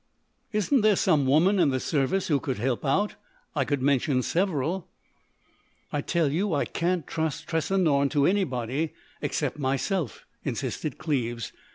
"Isn't there some woman in the Service who could help out? I could mention several." "I tell you I can't trust Tressa Norne to anybody except myself," insisted Cleves.